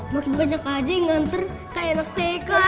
makin banyak aja yang nganter kayak anak teko